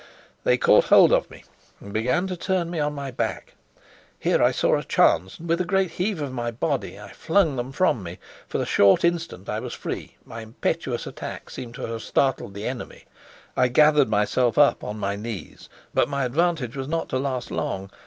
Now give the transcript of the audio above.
They caught hold of me and began to turn me on my back. Here I saw a chance, and with a great heave of my body I flung them from me. For a short instant I was free; my impetuous attack seemed to have startled the enemy; I gathered myself up on my knees. But my advantage was not to last long.